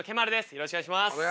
よろしくお願いします。